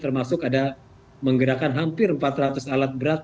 termasuk ada menggerakkan hampir empat ratus alat berat